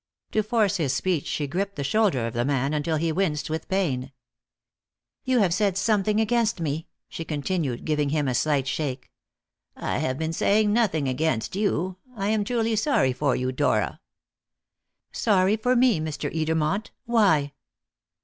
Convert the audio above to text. To force his speech she gripped the shoulder of the man until he winced with pain. "You have said something against me," she continued, giving him a slight shake. "I have been saying nothing against you. I am truly sorry for you, Dora." "Sorry for me, Mr. Edermont? Why?"